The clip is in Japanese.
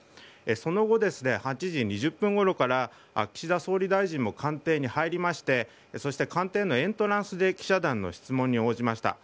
その後、８時２０分ごろから岸田総理大臣も官邸に入りましてそして官邸のエントランスで記者団への質問に応じました。